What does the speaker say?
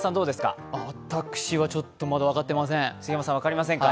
私はちょっとまだ分かってません。